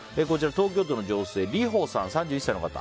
東京都の３１歳の方。